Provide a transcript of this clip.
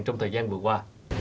trong thời gian vừa qua